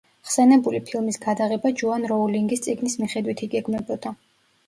ხსენებული ფილმის გადაღება ჯოან როულინგის წიგნის მიხედვით იგეგმებოდა.